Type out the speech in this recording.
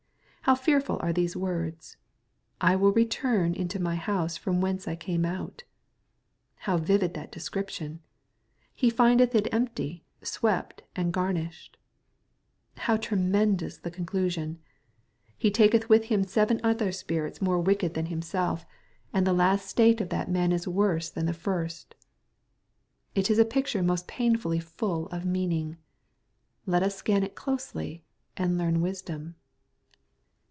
How fearful arc those words, " I will return into my house from whence I came out I" How vivid that description, " He findeth it empty, swept, and gar nished 1" How tremendous the conclusion, " he taketh with him seven other spirits more wicked than himself,— MATTHEW, CHAP XH. 137 and the last state of that man is worse than the first 1" It is a picture most painfully fuU of meaning. Let ua scan it closely, and learn wisdom.